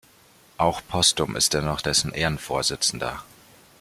Auch posthum ist er noch dessen Ehrenvorsitzender.